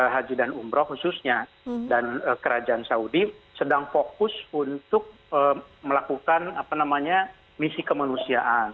haji dan umroh khususnya dan kerajaan saudi sedang fokus untuk melakukan misi kemanusiaan